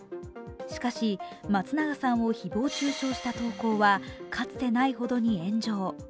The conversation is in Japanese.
しかし松永さんを誹謗中傷した投稿はかつてないほどの炎上。